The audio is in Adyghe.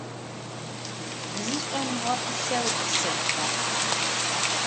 Зышӏомыгъэхьылъэу, къысэтба.